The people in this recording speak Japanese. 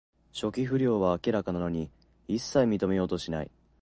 初期不良は明らかなのに、いっさい認めようとしない